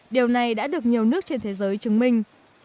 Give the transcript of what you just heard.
điều này đã được nhiều nước trên thế giới chứng minh